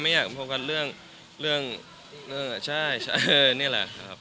อยากโฟกัสเรื่องเรื่องใช่นี่แหละครับ